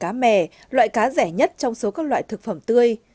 cá mè loại cá rẻ nhất trong số các loại thực phẩm tươi